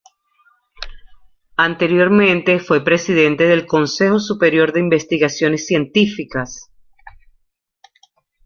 Anteriormente fue presidente del Consejo Superior de Investigaciones Científicas.